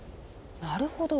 なるほど。